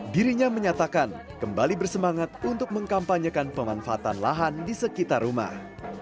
dirinya menyatakan kembali bersemangat untuk mengkampanyekan pemanfaatan lahan di sekitar rumah